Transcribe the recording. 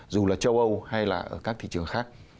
dù là châu âu hay là ở các thị trường khác